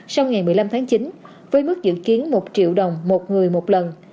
sau ngày một mươi năm tháng chín với mức dự kiến một triệu đồng một người một lần